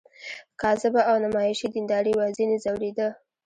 کاذبه او نمایشي دینداري وه ځنې ځورېده.